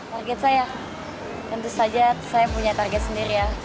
target saya tentu saja saya punya target sendiri ya